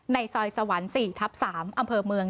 ในซอยสวรรค์๔ทับ๓อำเภอเมือง